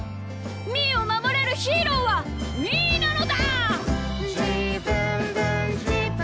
みーをまもれるヒーローはみーなのだ！」。